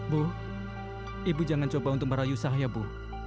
bu ibu jangan coba untuk merayu saya bu